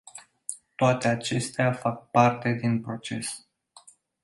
Toate acestea fac parte din proces.